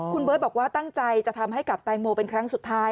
คุณเบิร์ตบอกว่าตั้งใจจะทำให้กับแตงโมเป็นครั้งสุดท้าย